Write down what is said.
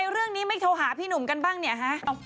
เดีะวณมีอีก